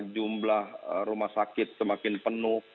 jumlah rumah sakit semakin penuh